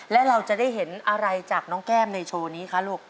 และเราจะได้เห็นอะไรจากน้องแก้มในโชว์นี้คะลูก